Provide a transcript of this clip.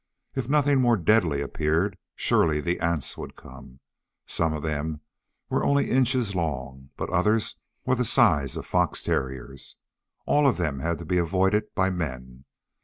If nothing more deadly appeared, surely the ants would come. Some of them were only inches long, but others were the size of fox terriers. All of them had to be avoided by men.